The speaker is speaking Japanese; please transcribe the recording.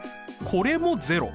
これも０。